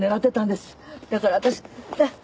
だから私うっ！